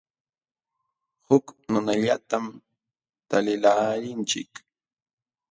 Huk nunallatam taliqlaalinchik.